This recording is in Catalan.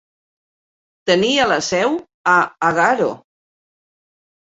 Tenia la seu a Agaro.